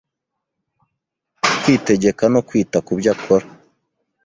kwitegeka no kwita ku byo akora